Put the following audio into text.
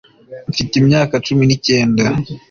mfite imyaka cumi ni kenda